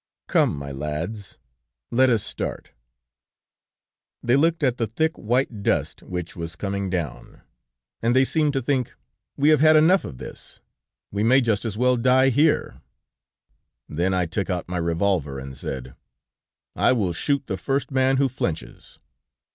"'Come, my lads, let us start.' "They looked at the thick, white dust which was coming down, and they seemed to think: 'We have had enough of this; we may just as well die here!' Then I took out my revolver, and said: "'I will shoot the first man who flinches.'